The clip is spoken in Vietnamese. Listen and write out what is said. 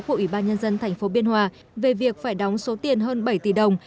của ủy ban nhân dân tp biên hòa về việc phải đóng số tiền hơn bảy tỷ đồng